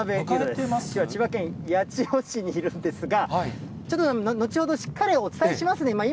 きょうは千葉県八千代市にいるんですが、ちょっと後ほど、しっかりお伝えしますね。